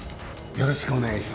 よろしくお願いします。